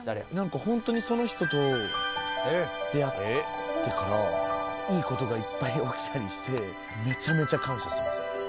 なんかほんとにその人と出会ってからいいことがいっぱい起きたりしてめちゃめちゃ感謝してます。